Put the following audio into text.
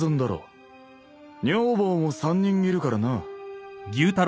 女房も３人いるからな。